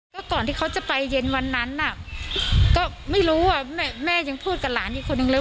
ก็ก่อนที่เขาจะไปเย็นวันนั้นน่ะก็ไม่รู้ว่าแม่ยังพูดกับหลานอีกคนนึงเลย